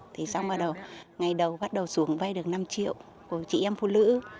thì xong bắt đầu xuống vay được năm triệu của chị em phụ nữ